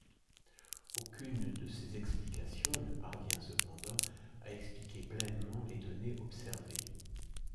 Aucune de ces explications ne parvient cependant à expliquer pleinement les données observées.